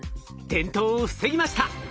転倒を防ぎました。